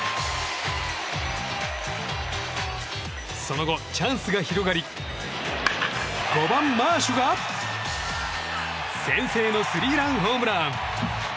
その後、チャンスが広がり５番、マーシュが先制のスリーランホームラン！